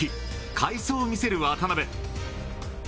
快走を見せる渡辺。